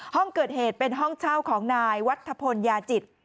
ห้องเกิดเหตุเป็นห้องเช่าของนายวัฒพลยาจิต